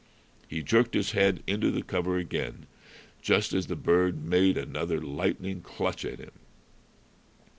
He jerked his head into cover again, just as the bird made another lightning clutch at him.